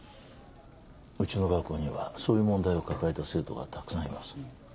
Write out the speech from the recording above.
うちの学校にはそういう問題を抱えた生徒がたくさんいます。